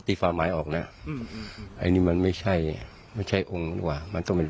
ไม่อยากให้แม่เป็นอะไรไปแล้วนอนร้องไห้แท่ทุกคืน